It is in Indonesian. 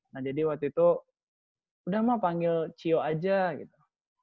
nah jadi waktu itu udah mah panggil cio aja gitu